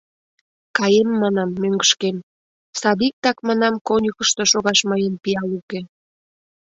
— Каем, манам, мӧҥгышкем; садиктак, манам, конюхышто шогаш мыйын пиал уке.